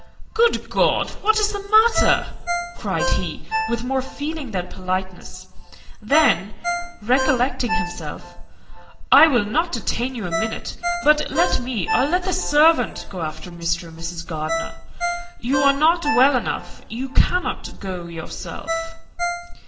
"Good God! what is the matter?" cried he, with more feeling than politeness; then recollecting himself, "I will not detain you a minute; but let me, or let the servant, go after Mr. and Mrs. Gardiner. You are not well enough; you cannot go yourself."